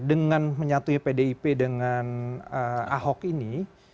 dengan menyatui pdip dengan ahok ini